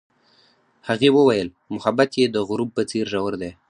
هغې وویل محبت یې د غروب په څېر ژور دی.